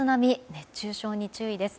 熱中症に注意です。